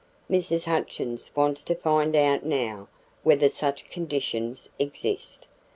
"Mrs. Hutchins wants to find out now whether such conditions exist.